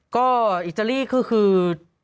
ก็อิตาลีก็คือ